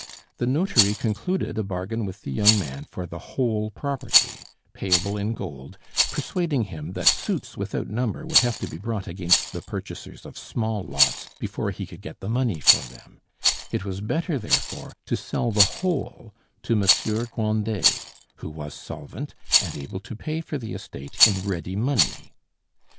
The notary concluded a bargain with the young man for the whole property, payable in gold, persuading him that suits without number would have to be brought against the purchasers of small lots before he could get the money for them; it was better, therefore, to sell the whole to Monsieur Grandet, who was solvent and able to pay for the estate in ready money.